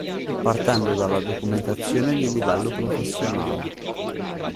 Partendo dalla documentazione di livello professionale.